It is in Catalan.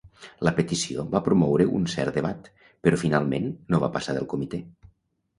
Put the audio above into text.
La petició va promoure un cert debat, però finalment no va passar del comitè.